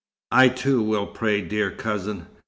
"I, too, will pray, dear cousin.